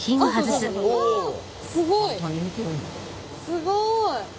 すごい。